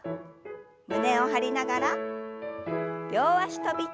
胸を張りながら両脚跳び。